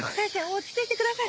落ち着いてください。